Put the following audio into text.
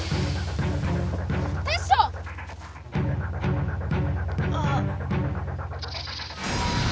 テッショウ！あっ。